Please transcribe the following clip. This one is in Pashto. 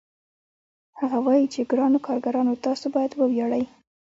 هغه وايي چې ګرانو کارګرانو تاسو باید وویاړئ